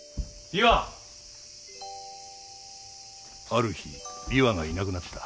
ある日里和がいなくなった。